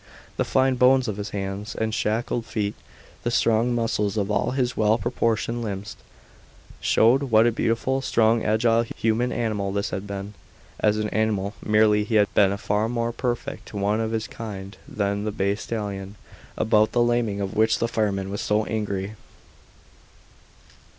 The fine bones of his hands and shackled feet, the strong muscles of all his well proportioned limbs, showed what a beautiful, strong, agile human animal this had been. As an animal merely he had been a far more perfect one of his kind than the bay stallion, about the laming of which the fireman was so angry.